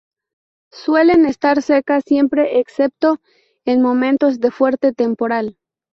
Suelen estar secas siempre excepto en momentos de fuerte temporal.